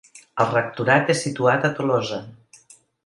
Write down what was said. El rectorat és situat a Tolosa.